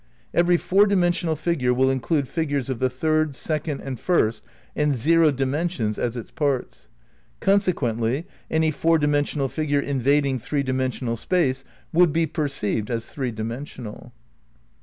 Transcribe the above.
Every four dimensional figure will include figures of the third second and first and zero dimensions as its parts. Consequently any four dimensional figure invading three dimensional space would he perceived as three dimensional.